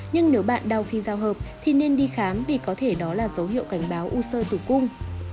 nhưng nếu bạn đau khi giao hợp thì nên đi khám vì có thể đó là dấu hiệu cảnh báo u sơ tử cung